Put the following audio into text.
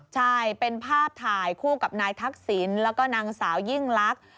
ใช่เป็นภาพถ่ายคู่กับนายทักษิณแล้วก็นางสาวยิ่งลักษณ์